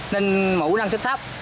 nên mủ năng sức thấp